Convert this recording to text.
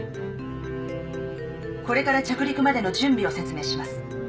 これから着陸までの準備を説明します。